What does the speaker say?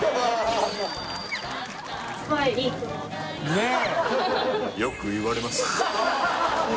ねえ！